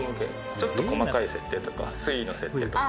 ちょっと細かい設定とか水位の設定とか。